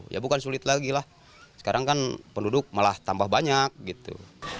ya bukan sulit lagi lah sekarang kan penduduk malah tambah banyak gitu